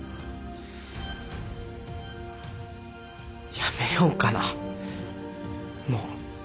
辞めようかなもう。